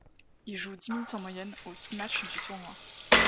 Il joue dix minutes en moyenne aux six matchs du tournoi.